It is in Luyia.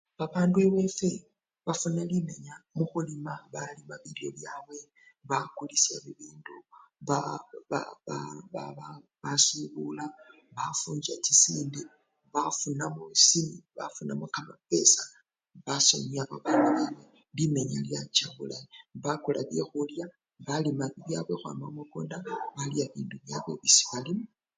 Babandu ewefwe bafuna limenya mukhulima balima bilyo byabwe bakulisya bibindu baa! ba! ba! basubula, bafunja chisende bafunamo kamapesa